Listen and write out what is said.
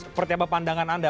seperti apa pandangan anda